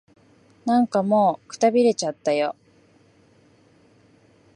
なんかもう、くたびれちゃったよ。